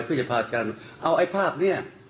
เพื่อจะพาอาจารย์เอาไอ้ภาพเนี่ย